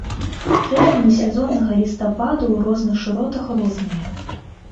Тэрміны сезоннага лістападу ў розных шыротах розныя.